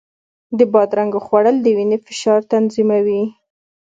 د بادرنګو خوړل د وینې فشار تنظیموي.